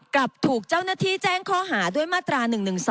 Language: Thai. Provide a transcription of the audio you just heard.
กลับถูกเจ้าหน้าที่แจ้งข้อหาด้วยมาตรา๑๑๒